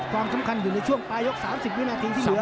ความสำคัญอยู่ในช่วงปลายก๓๐วินาทีที่เหลือ